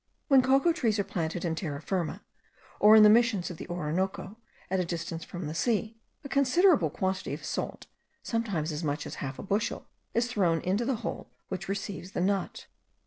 When cocoa trees are planted in Terra Firma, or in the Missions of the Orinoco, at a distance from the sea, a considerable quantity of salt, sometimes as much as half a bushel, is thrown into the hole which receives the nut.